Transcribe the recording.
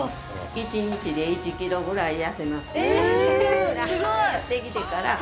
１日で１キロぐらい痩せます。